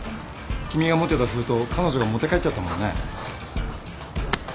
君が持ってた封筒彼女が持って帰っちゃったもんね？